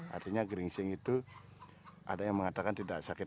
artinya geringsing itu ada yang mengatakan tidak sakit